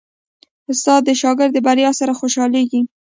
استاد د شاګرد د بریا سره خوشحالېږي.